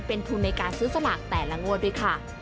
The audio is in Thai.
เป็นทุนในการซื้อสลากแต่ละงวดด้วยค่ะ